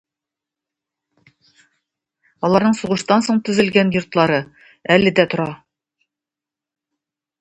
Аларның сугыштан соң төзелгән йортлары әле дә тора.